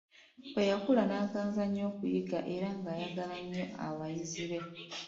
Bwe yakula n'aganza nnyo okuyigga, era ng'ayagala nnyo abayizzi be.